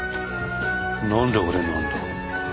何で俺なんだ。